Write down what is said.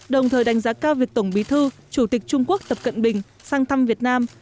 đồng thời đánh giá cao việc tổng bí thư chủ tịch trung quốc tập cận bình sang thăm việt nam